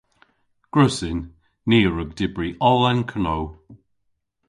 Gwrussyn. Ni a wrug dybri oll an know.